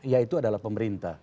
ya itu adalah pemerintah